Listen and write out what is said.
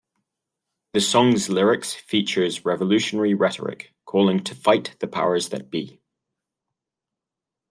The song's lyrics features revolutionary rhetoric calling to fight the "powers that be".